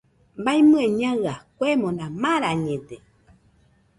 Baimɨe Ñaɨa kuemona marañede.